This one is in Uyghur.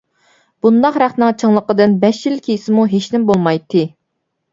بۇنداق رەختنىڭ چىڭلىقىدىن بەش يىل كىيسىمۇ ھېچنېمە بولمايتتى.